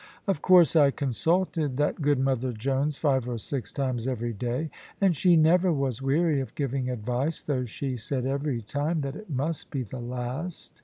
Of course I consulted that good mother Jones five or six times every day; and she never was weary of giving advice, though she said every time that it must be the last.